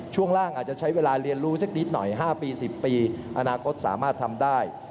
ช่วงล่างอาจจะใช้เวลาเรียนรู้สักนิดหน่อย๕ปี๑๐ปีอนาคตสามารถทำได้